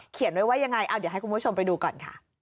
เขียนไว้ว่ายังไงเดี๋ยวให้คุณผู้ชมไปดูก่อน